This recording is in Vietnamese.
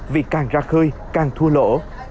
vì càng ra khơi càng thua lỗ